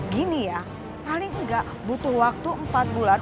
gini ya paling enggak butuh waktu empat bulan